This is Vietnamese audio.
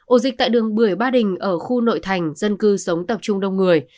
ổ dịch tại đường bưởi ba đình ở khu nội thành dân cư sống tập trung đông người